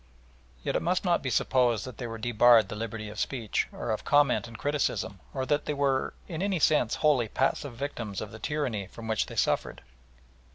Yet it must not be supposed that they were debarred the liberty of speech or of comment and criticism, or that they were in any sense wholly passive victims of the tyranny from which they suffered.